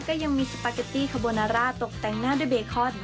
ก็ยังมีสปาเกตตี้คาโบนาร่าตกแต่งหน้าด้วยเบคอน